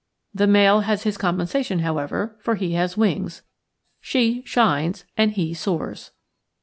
The male has his compensation, however, for he has wings. She shines and he soars.